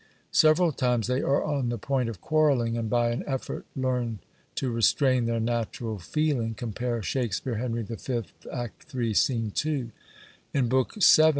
Several times they are on the point of quarrelling, and by an effort learn to restrain their natural feeling (compare Shakespeare, Henry V, act iii. sc. 2). In Book vii.